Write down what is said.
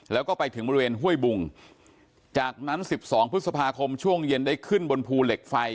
แล้วก็ไปถึงบริเวณห้วยบุงจากนั้น๑๒พฤษภาคมช่วงเย็นได้ขึ้นบนภูเหล็กไฟ